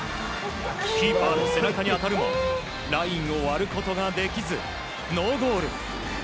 キーパーの背中に当たるもラインを割ることができずノーゴール。